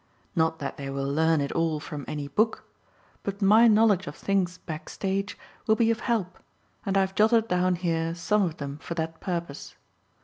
Not that they will learn it all from any book, but my knowledge of things back stage will be of help, and I have jotted down here some of them for that purpose.